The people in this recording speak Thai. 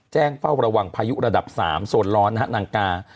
เฝ้าระวังพายุระดับ๓โซนร้อนนะฮะนางกา